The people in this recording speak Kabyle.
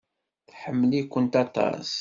Tḥemmel-ikent aṭas.